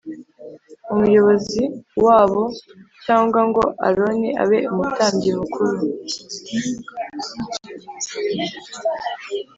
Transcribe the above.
Umuyobozi wabo cyangwa ngo aroni abe umutambyi mukuru kora